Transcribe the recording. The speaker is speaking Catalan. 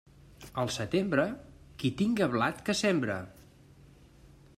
Al setembre, qui tinga blat que sembre.